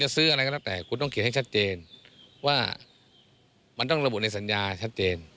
ซื้ออะไรก็แล้วแต่คุณต้องเขียนให้ชัดเจนว่ามันต้องระบุในสัญญาชัดเจน